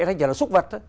hay là xúc vật